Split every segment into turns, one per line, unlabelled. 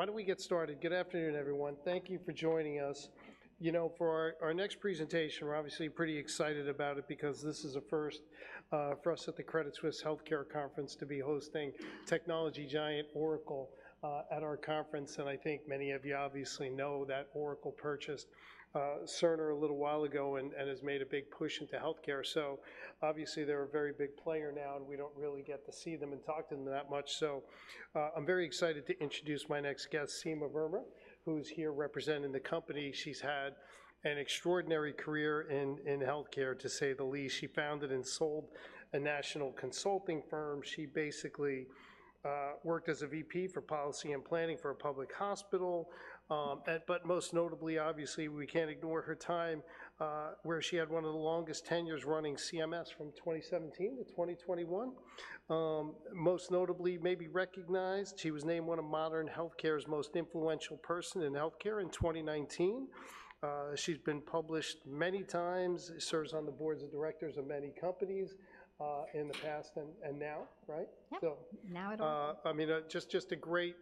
Great! Why don't we get started? Good afternoon, everyone. Thank you for joining us. You know, for our next presentation, we're obviously pretty excited about it because this is a first for us at the Credit Suisse Healthcare Conference to be hosting technology giant Oracle at our conference. And I think many of you obviously know that Oracle purchased Cerner a little while ago and has made a big push into healthcare. So obviously, they're a very big player now, and we don't really get to see them and talk to them that much. So, I'm very excited to introduce my next guest, Seema Verma, who's here representing the company. She's had an extraordinary career in healthcare, to say the least. She founded and sold a national consulting firm. She basically worked as a VP for policy and planning for a public hospital. But most notably, obviously, we can't ignore her time where she had one of the longest tenures running CMS from 2017 to 2021. Most notably maybe recognized, she was named one of Modern Healthcare's Most Influential Person in Healthcare in 2019. She's been published many times, serves on the boards of directors of many companies, in the past and, and now, right?
Yep.
So.
Now and.
I mean, just a great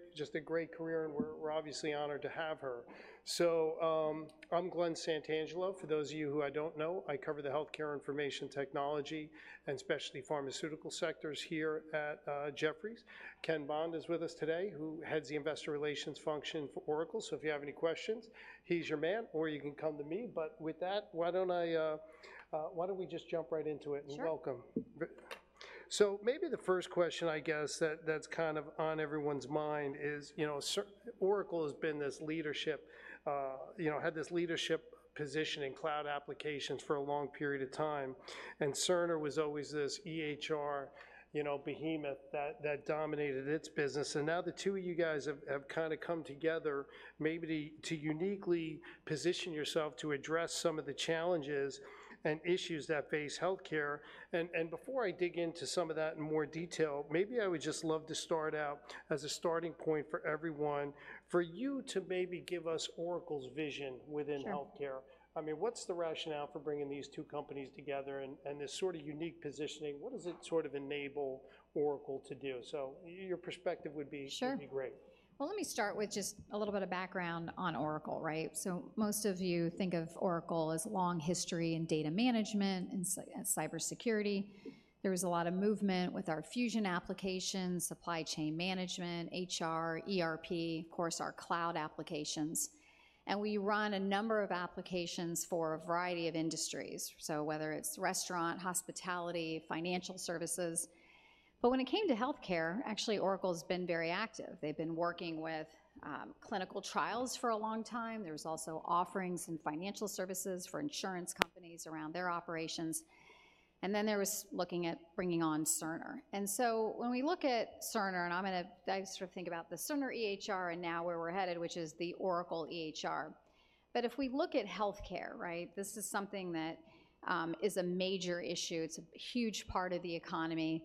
career, and we're obviously honored to have her. So, I'm Glenn Santangelo. For those of you who I don't know, I cover the healthcare information technology and specialty pharmaceutical sectors here at Jefferies. Ken Bond is with us today, who heads the investor relations function for Oracle. So if you have any questions, he's your man, or you can come to me. But with that, why don't I, why don't we just jump right into it.
Sure.
And welcome. So maybe the first question, I guess, that's kind of on everyone's mind is, you know, Cerner, Oracle has been this leadership, you know, had this leadership position in cloud applications for a long period of time, and Cerner was always this EHR, you know, behemoth that dominated its business. And now the two of you guys have kinda come together maybe to uniquely position yourself to address some of the challenges and issues that face healthcare. And before I dig into some of that in more detail, maybe I would just love to start out as a starting point for everyone, for you to maybe give us Oracle's vision within healthcare.
Sure.
I mean, what's the rationale for bringing these two companies together and, and this sort of unique positioning? What does it sort of enable Oracle to do? So your perspective would be.
Sure.
would be great.
Well, let me start with just a little bit of background on Oracle, right? So most of you think of Oracle as long history in data management and cybersecurity. There was a lot of movement with our Fusion Applications, supply chain management, HR, ERP, of course, our cloud applications, and we run a number of applications for a variety of industries. So whether it's restaurant, hospitality, financial services. But when it came to healthcare, actually, Oracle's been very active. They've been working with clinical trials for a long time. There was also offerings in financial services for insurance companies around their operations, and then there was looking at bringing on Cerner. And so when we look at Cerner, and I'm gonna, I sort of think about the Cerner EHR and now where we're headed, which is the Oracle EHR. But if we look at healthcare, right, this is something that is a major issue. It's a huge part of the economy,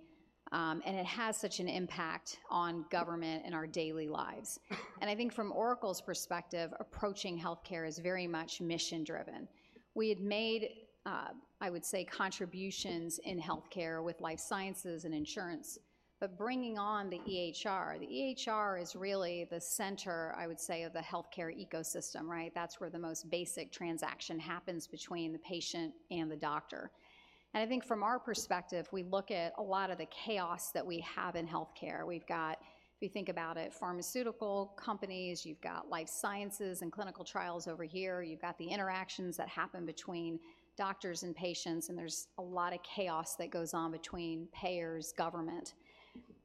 and it has such an impact on government and our daily lives. And I think from Oracle's perspective, approaching healthcare is very much mission-driven. We had made, I would say, contributions in healthcare with life sciences and insurance, but bringing on the EHR, the EHR is really the center, I would say, of the healthcare ecosystem, right? That's where the most basic transaction happens between the patient and the doctor. And I think from our perspective, we look at a lot of the chaos that we have in healthcare. We've got, if you think about it, pharmaceutical companies, you've got life sciences and clinical trials over here. You've got the interactions that happen between doctors and patients, and there's a lot of chaos that goes on between payers, government.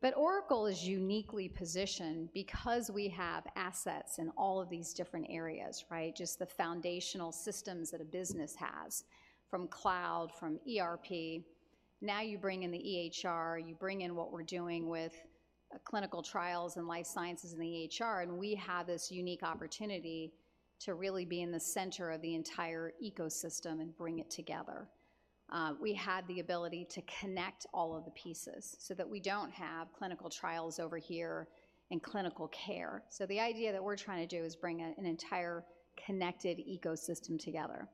But Oracle is uniquely positioned because we have assets in all of these different areas, right? Just the foundational systems that a business has, from cloud, from ERP. Now you bring in the EHR, you bring in what we're doing with clinical trials and life sciences in the EHR, and we have this unique opportunity to really be in the center of the entire ecosystem and bring it together. We had the ability to connect all of the pieces so that we don't have clinical trials over here and clinical care. So the idea that we're trying to do is bring an entire connected ecosystem together.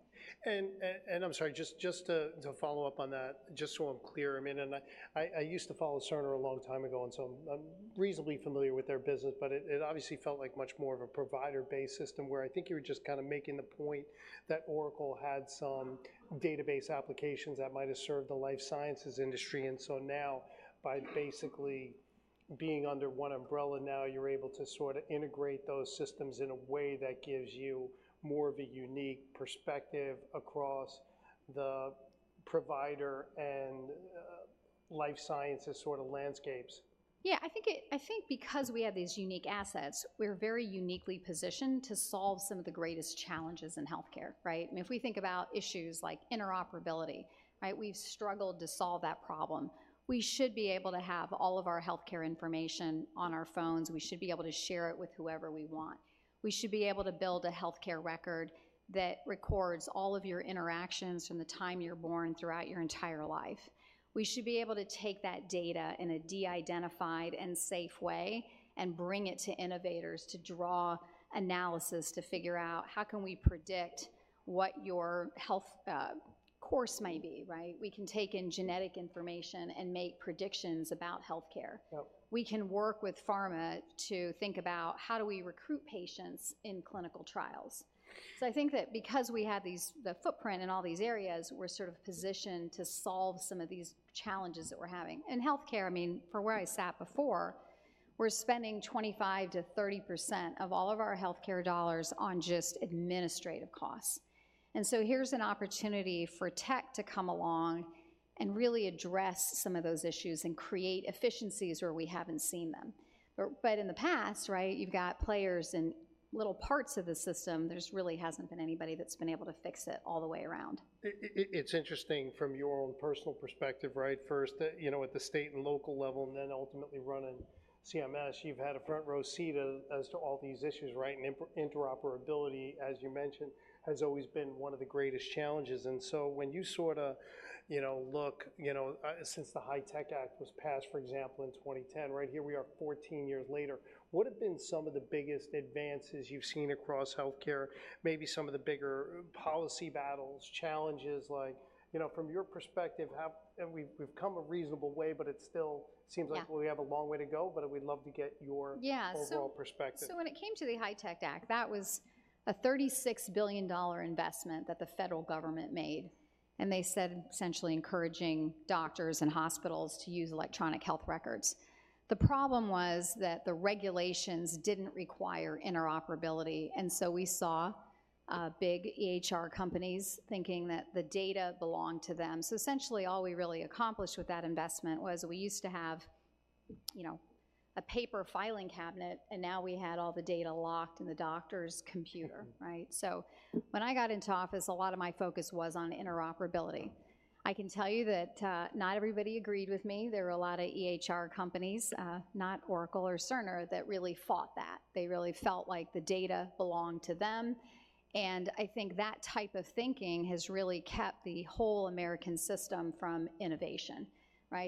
And, and I'm sorry, just to follow up on that, just so I'm clear. I mean, and I used to follow Cerner a long time ago, and so I'm reasonably familiar with their business, but it obviously felt like much more of a provider-based system, where I think you were just kind of making the point that Oracle had some database applications that might have served the life sciences industry, and so now by basically being under one umbrella, now you're able to sort of integrate those systems in a way that gives you more of a unique perspective across the provider and life sciences sort of landscapes?
Yeah, I think because we have these unique assets, we're very uniquely positioned to solve some of the greatest challenges in healthcare, right? And if we think about issues like interoperability, right, we've struggled to solve that problem. We should be able to have all of our healthcare information on our phones. We should be able to share it with whoever we want. We should be able to build a healthcare record that records all of your interactions from the time you're born throughout your entire life. We should be able to take that data in a de-identified and safe way and bring it to innovators to draw analysis to figure out, how can we predict what your health course may be, right? We can take in genetic information and make predictions about healthcare.
Yep.
We can work with pharma to think about, how do we recruit patients in clinical trials? So I think that because we have these, the footprint in all these areas, we're sort of positioned to solve some of these challenges that we're having. In healthcare, I mean, from where I sat before, we're spending 25%-30% of all of our healthcare dollars on just administrative costs. So here's an opportunity for tech to come along and really address some of those issues and create efficiencies where we haven't seen them. But in the past, right, you've got players in little parts of the system. There's really hasn't been anybody that's been able to fix it all the way around.
It's interesting from your own personal perspective, right? First, you know, at the state and local level, and then ultimately running CMS, you've had a front-row seat as to all these issues, right? And interoperability, as you mentioned, has always been one of the greatest challenges, and so when you sorta, you know, look, you know, since the HITECH Act was passed, for example, in 2010, right, here we are 14 years later, what have been some of the biggest advances you've seen across healthcare? Maybe some of the bigger policy battles, challenges, like, you know, from your perspective, how and we've come a reasonable way, but it still.
Yeah.
Sms like we have a long way to go, but we'd love to get your-
Yeah, so.
Overall perspective.
So when it came to the HITECH Act, that was a $36 billion investment that the federal government made, and they said, essentially encouraging doctors and hospitals to use electronic health records. The problem was that the regulations didn't require interoperability, and so we saw big EHR companies thinking that the data belonged to them. So essentially, all we really accomplished with that investment was we used to have, you know, a paper filing cabinet, and now we had all the data locked in the doctor's computer, right? So when I got into office, a lot of my focus was on interoperability. I can tell you that not everybody agreed with me. There were a lot of EHR companies, not Oracle or Cerner, that really fought that. They really felt like the data belonged to them, and I think that type of thinking has really kept the whole American system from innovation, right?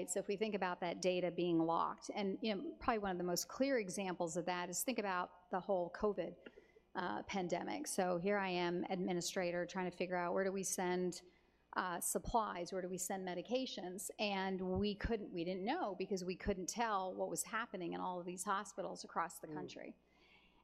So if we think about that data being locked, and, you know, probably one of the most clear examples of that is think about the whole COVID pandemic. So here I am, administrator, trying to figure out, where do we send supplies? Where do we send medications? And we couldn't, we didn't know because we couldn't tell what was happening in all of these hospitals across the country.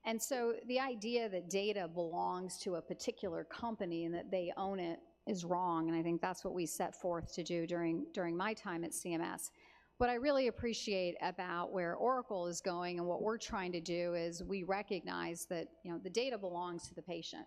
And so the idea that data belongs to a particular company and that they own it is wrong, and I think that's what we set forth to do during my time at CMS. What I really appreciate about where Oracle is going and what we're trying to do is we recognize that, you know, the data belongs to the patient.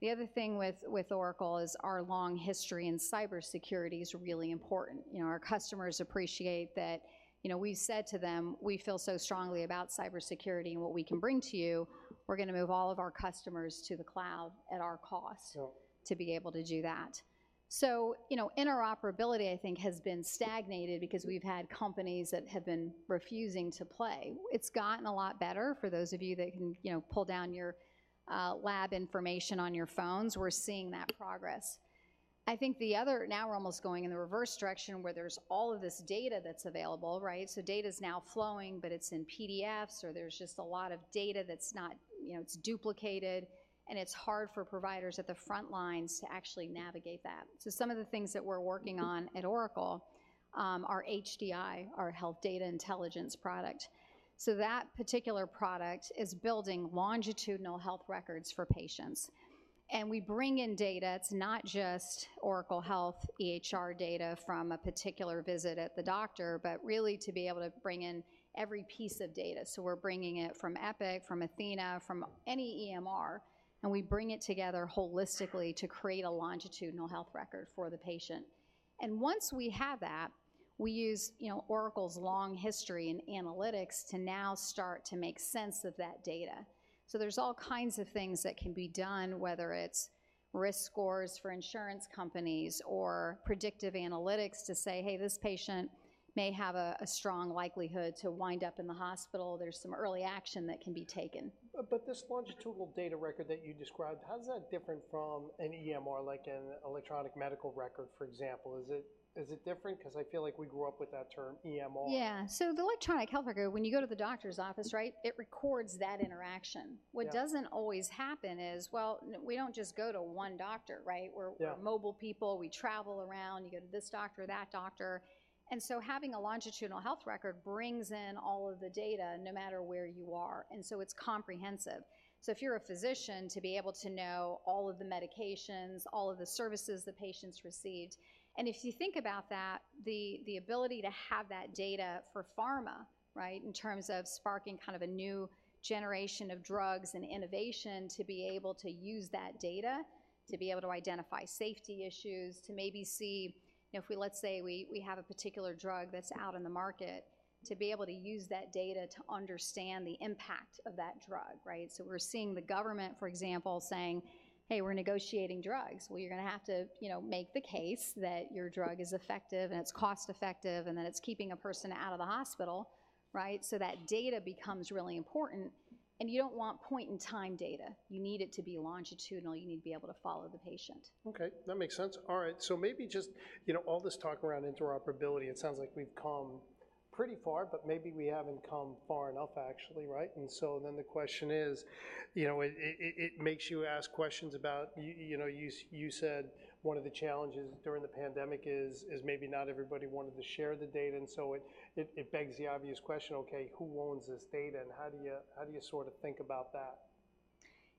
The other thing with Oracle is our long history in cybersecurity is really important. You know, our customers appreciate that, you know, we said to them, "We feel so strongly about cybersecurity and what we can bring to you, we're gonna move all of our customers to the cloud at our cost to be able to do that." So, you know, interoperability, I think, has been stagnated because we've had companies that have been refusing to play. It's gotten a lot better for those of you that can, you know, pull down your lab information on your phones. We're seeing that progress. I think the other now we're almost going in the reverse direction, where there's all of this data that's available, right? So data's now flowing, but it's in PDFs, or there's just a lot of data that's not, you know, it's duplicated, and it's hard for providers at the front lines to actually navigate that. So some of the things that we're working on at Oracle are HDI, our Health Data Intelligence product. So that particular product is building longitudinal health records for patients, and we bring in data. It's not just Oracle Health EHR data from a particular visit at the doctor, but really to be able to bring in every piece of data. So we're bringing it from Epic, from athenahealth, from any EMR, and we bring it together holistically to create a longitudinal health record for the patient. And once we have that, we use, you know, Oracle's long history in analytics to now start to make sense of that data. So there's all kinds of things that can be done, whether it's risk scores for insurance companies or predictive analytics to say, "Hey, this patient may have a strong likelihood to wind up in the hospital." There's some early action that can be taken.
But this longitudinal data record that you described, how is that different from an EMR, like an electronic medical record, for example? Is it different? 'Cause I feel like we grew up with that term EMR.
Yeah. So the electronic health record, when you go to the doctor's office, right, it records that interaction.
Yeah.
What doesn't always happen is, well, we don't just go to one doctor, right?
Yeah.
We're mobile people. We travel around. You go to this doctor, that doctor, and so having a longitudinal health record brings in all of the data, no matter where you are, and so it's comprehensive. So if you're a physician, to be able to know all of the medications, all of the services the patients received, and if you think about that, the ability to have that data for pharma, right, in terms of sparking kind of a new generation of drugs and innovation, to be able to use that data, to be able to identify safety issues, to maybe see, you know, if we, let's say we have a particular drug that's out on the market, to be able to use that data to understand the impact of that drug, right? So we're seeing the government, for example, saying, "Hey, we're negotiating drugs." Well, you're gonna have to, you know, make the case that your drug is effective, and it's cost-effective, and that it's keeping a person out of the hospital, right? So that data becomes really important, and you don't want point-in-time data. You need it to be longitudinal. You need to be able to follow the patient.
Okay, that makes sense. All right, so maybe just, you know, all this talk around interoperability, it sounds like we've come pretty far, but maybe we haven't come far enough, actually, right? And so then the question is, you know, it makes you ask questions about, you know, you said one of the challenges during the pandemic is maybe not everybody wanted to share the data, and so it begs the obvious question, okay, who owns this data, and how do you sort of think about that?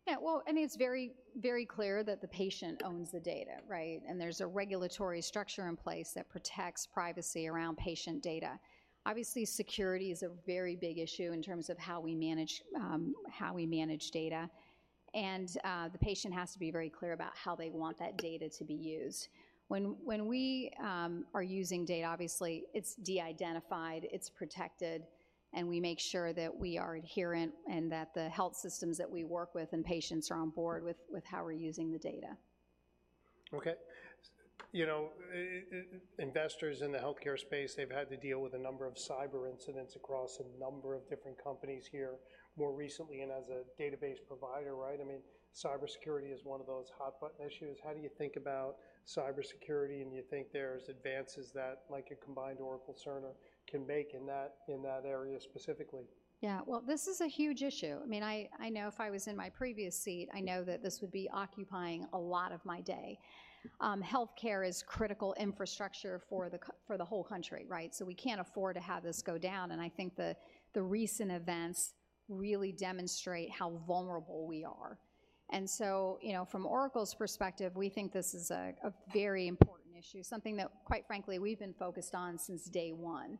Yeah, well, I mean, it's very, very clear that the patient owns the data, right? And there's a regulatory structure in place that protects privacy around patient data. Obviously, security is a very big issue in terms of how we manage, how we manage data, and, the patient has to be very clear about how they want that data to be used. When we are using data, obviously, it's de-identified, it's protected, and we make sure that we are adherent and that the health systems that we work with and patients are on board with how we're using the data.
Okay. You know, investors in the healthcare space, they've had to deal with a number of cyber incidents across a number of different companies here more recently, and as a database provider, right? I mean, cybersecurity is one of those hot-button issues. How do you think about cybersecurity, and do you think there's advances that, like a combined Oracle Cerner, can make in that, in that area specifically?
Yeah. Well, this is a huge issue. I mean, I know if I was in my previous seat, I know that this would be occupying a lot of my day. Healthcare is critical infrastructure for the whole country, right? So we can't afford to have this go down, and I think the recent events really demonstrate how vulnerable we are. So, you know, from Oracle's perspective, we think this is a very important issue, something that, quite frankly, we've been focused on since day one.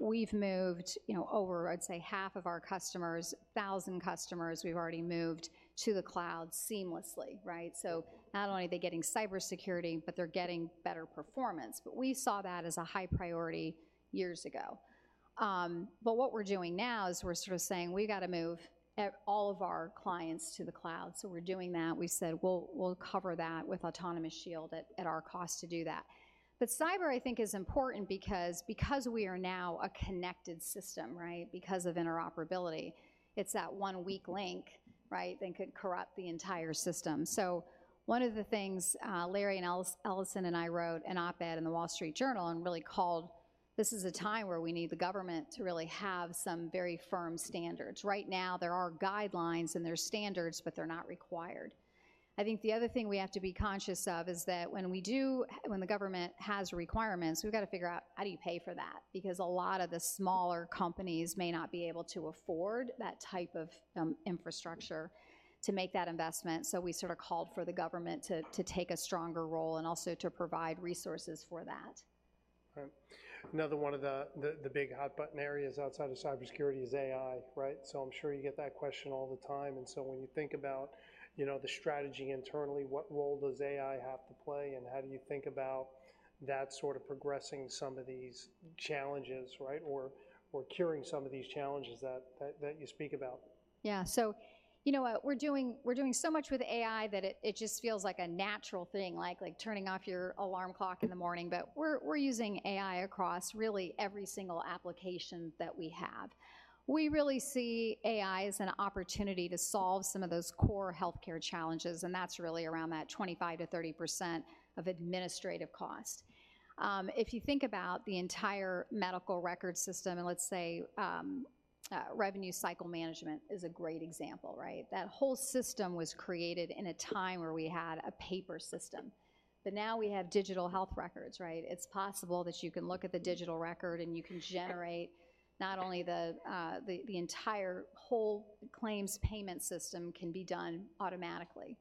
We've moved, you know, over, I'd say, half of our customers, 1,000 customers, we've already moved to the cloud seamlessly, right? So not only are they getting cybersecurity, but they're getting better performance. But we saw that as a high priority years ago. But what we're doing now is we're sort of saying: We've got to move all of our clients to the cloud. So we're doing that. We said we'll cover that with Autonomous Shield at our cost to do that. But cyber, I think, is important because we are now a connected system, right? Because of interoperability. It's that one weak link, right, that could corrupt the entire system. So one of the things, Larry Ellison and I wrote an op-ed in The Wall Street Journal and really called this is a time where we need the government to really have some very firm standards. Right now, there are guidelines and there's standards, but they're not required. I think the other thing we have to be conscious of is that when the government has requirements, we've got to figure out, how do you pay for that? Because a lot of the smaller companies may not be able to afford that type of infrastructure to make that investment. So we sort of called for the government to take a stronger role and also to provide resources for that.
Right. Another one of the big hot-button areas outside of cybersecurity is AI, right? So I'm sure you get that question all the time, and so when you think about, you know, the strategy internally, what role does AI have to play, and how do you think about that sort of progressing some of these challenges, right? Or curing some of these challenges that you speak about.
Yeah. So you know what we're doing, we're doing so much with AI that it, it just feels like a natural thing, like, like turning off your alarm clock in the morning. But we're, we're using AI across really every single application that we have. We really see AI as an opportunity to solve some of those core healthcare challenges, and that's really around that 25%-30% of administrative cost. If you think about the entire medical record system, and let's say, revenue cycle management is a great example, right? That whole system was created in a time where we had a paper system, but now we have digital health records, right? It's possible that you can look at the digital record, and you can generate not only the, the entire whole claims payment system can be done automatically.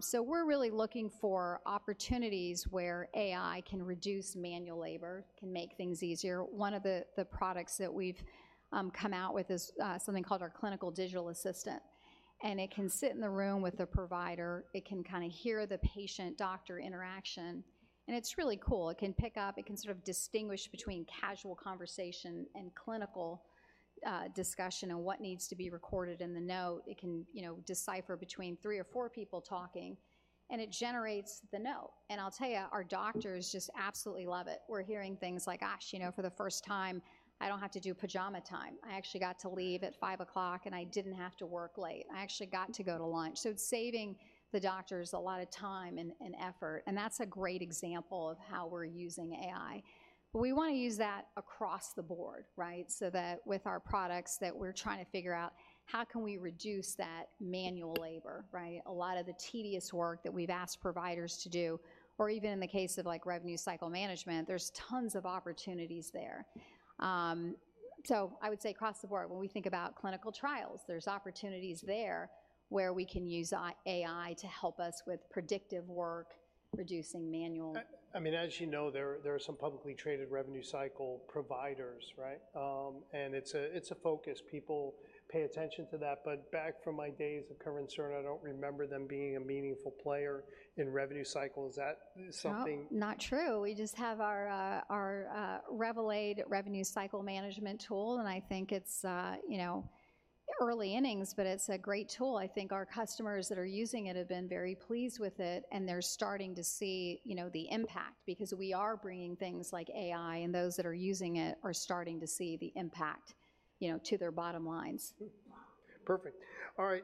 So we're really looking for opportunities where AI can reduce manual labor, can make things easier. One of the products that we've come out with is something called our Clinical Digital Assistant, and it can sit in the room with the provider. It can kind of hear the patient-doctor interaction, and it's really cool. It can pick up, it can sort of distinguish between casual conversation and clinical discussion and what needs to be recorded in the note. It can, you know, decipher between three or four people talking, and it generates the note. And I'll tell you, our doctors just absolutely love it. We're hearing things like, "Gosh, you know, for the first time, I don't have to do pajama time. I actually got to leave at five o'clock, and I didn't have to work late. I actually got to go to lunch." So it's saving the doctors a lot of time and effort, and that's a great example of how we're using AI. But we want to use that across the board, right? So that with our products, we're trying to figure out how can we reduce that manual labor, right? A lot of the tedious work that we've asked providers to do, or even in the case of, like, revenue cycle management, there's tons of opportunities there. So I would say across the board, when we think about clinical trials, there's opportunities there where we can use AI to help us with predictive work, reducing manual.
I mean, as you know, there are some publicly traded revenue cycle providers, right? And it's a focus. People pay attention to that. But back from my days at Cerner, I don't remember them being a meaningful player in revenue cycle. Is that something.
Well, not true. We just have our RevElate revenue cycle management tool, and I think it's, you know, early innings, but it's a great tool. I think our customers that are using it have been very pleased with it, and they're starting to see, you know, the impact. Because we are bringing things like AI, and those that are using it are starting to see the impact, you know, to their bottom lines.
Hmm. Perfect. All right,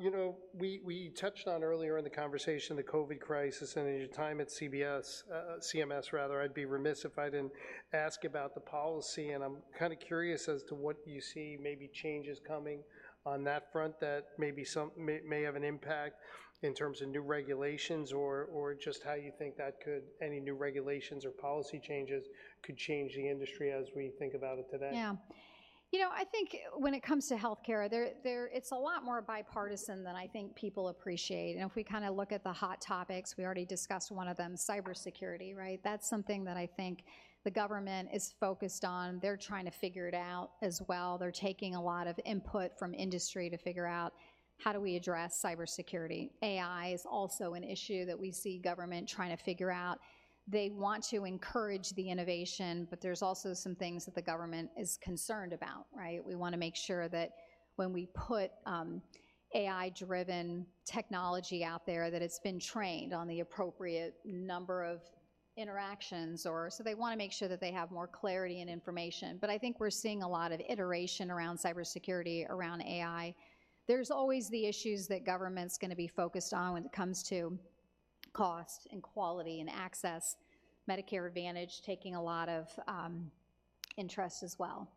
you know, we, we touched on earlier in the conversation the COVID crisis and your time at CMS, CMS rather. I'd be remiss if I didn't ask about the policy, and I'm kind of curious as to what you see maybe changes coming on that front, that maybe some may, may have an impact in terms of new regulations or just how you think that could any new regulations or policy changes could change the industry as we think about it today.
Yeah. You know, I think when it comes to healthcare, it's a lot more bipartisan than I think people appreciate. And if we kinda look at the hot topics, we already discussed one of them, cybersecurity, right? That's something that I think the government is focused on. They're trying to figure it out as well. They're taking a lot of input from industry to figure out, how do we address cybersecurity? AI is also an issue that we see government trying to figure out. They want to encourage the innovation, but there's also some things that the government is concerned about, right? We wanna make sure that when we put AI-driven technology out there, that it's been trained on the appropriate number of interactions. So they wanna make sure that they have more clarity and information. But I think we're seeing a lot of iteration around cybersecurity, around AI. There's always the issues that government's gonna be focused on when it comes to cost and quality and access. Medicare Advantage taking a lot of interest as well.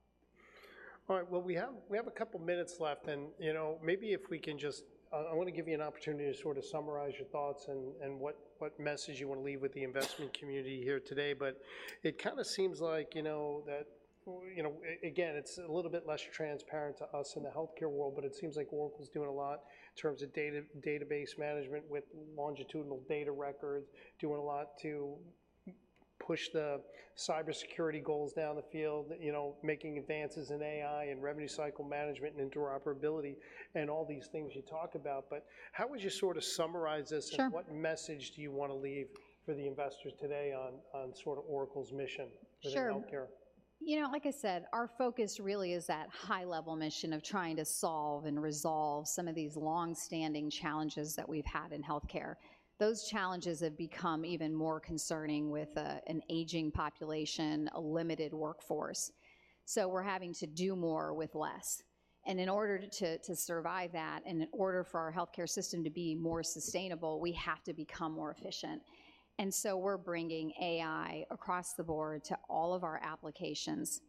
All right. Well, we have a couple of minutes left, and, you know, maybe if we can just. I wanna give you an opportunity to sort of summarize your thoughts and, and what message you wanna leave with the investment community here today. But it kinda seems like, you know, that, you know, again, it's a little bit less transparent to us in the healthcare world, but it seems like Oracle's doing a lot in terms of database management with longitudinal data records, doing a lot to push the cybersecurity goals down the field, you know, making advances in AI and revenue cycle management and interoperability, and all these things you talk about. But how would you sort of summarize this?
Sure.
What message do you wanna leave for the investors today on, on sort of Oracle's mission.
Sure.
For the healthcare?
You know, like I said, our focus really is that high-level mission of trying to solve and resolve some of these long-standing challenges that we've had in healthcare. Those challenges have become even more concerning with an aging population, a limited workforce. So we're having to do more with less. And in order to survive that, and in order for our healthcare system to be more sustainable, we have to become more efficient. And so we're bringing AI across the board to all of our applications.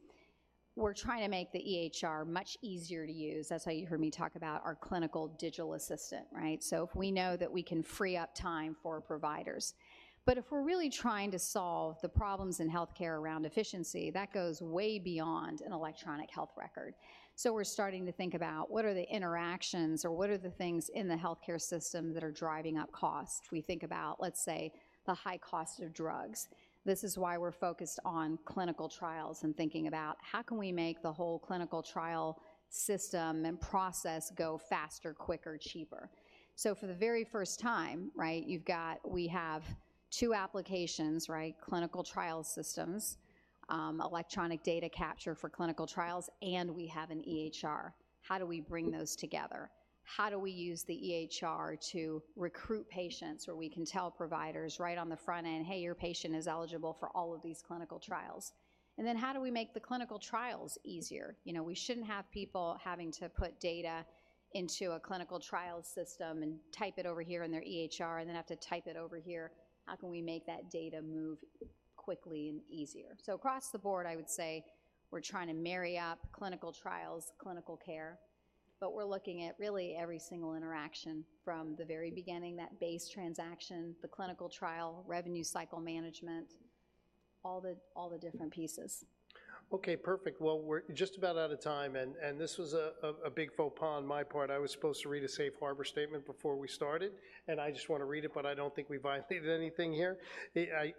We're trying to make the EHR much easier to use. That's how you heard me talk about our Clinical Digital Assistant, right? So if we know that we can free up time for providers. But if we're really trying to solve the problems in healthcare around efficiency, that goes way beyond an electronic health record. So we're starting to think about, what are the interactions or what are the things in the healthcare system that are driving up costs? We think about, let's say, the high cost of drugs. This is why we're focused on clinical trials and thinking about, how can we make the whole clinical trial system and process go faster, quicker, cheaper? So for the very first time, right, you've got, we have two applications, right? Clinical trial systems, electronic data capture for clinical trials, and we have an EHR. How do we bring those together? How do we use the EHR to recruit patients where we can tell providers right on the front end, "Hey, your patient is eligible for all of these clinical trials." And then how do we make the clinical trials easier? You know, we shouldn't have people having to put data into a clinical trial system and type it over here in their EHR and then have to type it over here. How can we make that data move quickly and easier? So across the board, I would say we're trying to marry up clinical trials, clinical care, but we're looking at really every single interaction from the very beginning, that base transaction, the clinical trial, revenue cycle management, all the, all the different pieces.
Okay, perfect. Well, we're just about out of time, and this was a big faux pas on my part. I was supposed to read a safe harbor statement before we started, and I just wanna read it, but I don't think we violated anything here. I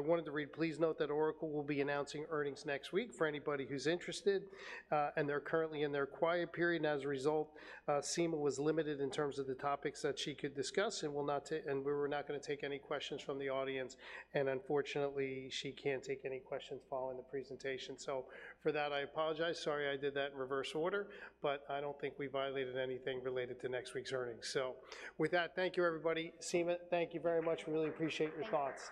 wanted to read, "Please note that Oracle will be announcing earnings next week for anybody who's interested," and they're currently in their quiet period. And as a result, Seema was limited in terms of the topics that she could discuss and we were not gonna take any questions from the audience. And unfortunately, she can't take any questions following the presentation. So for that, I apologize. Sorry, I did that in reverse order, but I don't think we violated anything related to next week's earnings. With that, thank you, everybody. Seema, thank you very much. We really appreciate your thoughts.